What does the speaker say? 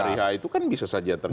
hari h itu kan bisa saja terjadi